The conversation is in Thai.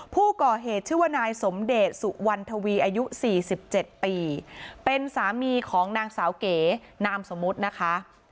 ผู้ก่อเหตุชื่อว่านายสมเดชสุวรรณทวีอายุ๔๗ปีเป็นสามีของนางสาวเก๋นามสมมุตินะคะ